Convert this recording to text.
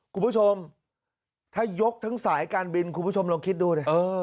คุณผู้ชมถ้ายกทั้งสายการบินคุณผู้ชมลองคิดดูดิ